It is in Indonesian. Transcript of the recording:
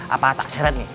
apa taksirin nih